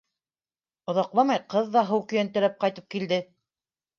Оҙаҡламай ҡыҙ ҙа һыу көйәнтәләп ҡайтып килде.